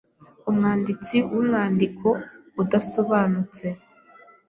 umwanditsi wumwandiko udasobanutse